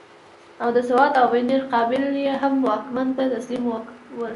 او د سوات او بنیر قبایل یې هم واکمنۍ ته تسلیم ول.